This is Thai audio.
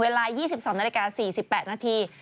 เวลา๒๒นาฬิกา๔๘นาที